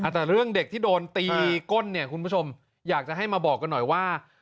แต่เรื่องเด็กที่โดนตีก้นเนี่ยคุณผู้ชมอยากจะให้มาบอกกันหน่อยว่า